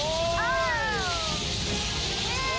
คุณอโนไทจูจังขอแสดงความจริงกับผู้ที่ได้รับรางวัลครับ